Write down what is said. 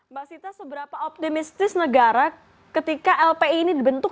mbak sita seberapa optimistis negara ketika lpi ini dibentuk